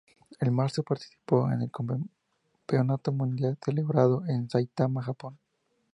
En marzo, participó en el Campeonato Mundial, celebrado en Saitama, Japón.